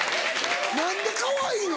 何でかわいいの？